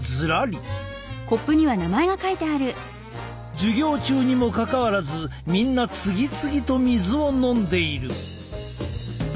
授業中にもかかわらずみんな次々と水を飲んでいる。